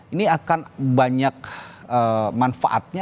ini akan banyak manfaatnya